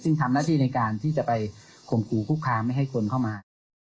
ซึ่งทำหน้าที่ในการที่จะไปข่มขู่คุกคามไม่ให้คนเข้ามา